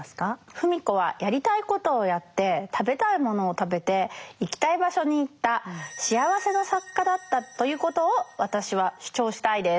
芙美子はやりたいことをやって食べたいものを食べて行きたい場所に行った「幸せな作家」だったということを私は主張したいです。